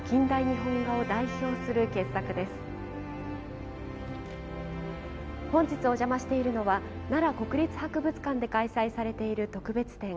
本日お邪魔しているのは奈良国立博物館で開催されている特別展